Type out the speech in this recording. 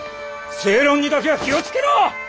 正論にだけは気を付けろ！